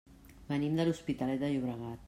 Venim de l'Hospitalet de Llobregat.